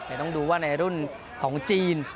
แต่ต้องดูว่าในรุ่นของจีน